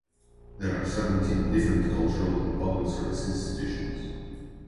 There are seventeen different cultural and public-service institutions.